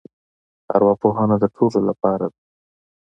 ارواپوهنه د ټولو لپاره دی.